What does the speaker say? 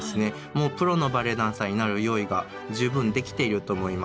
もうプロのバレエダンサーになる用意が十分できていると思います。